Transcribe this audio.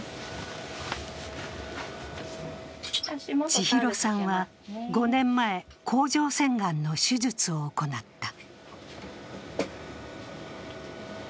千尋さんは５年前甲状腺がんの手術を行った。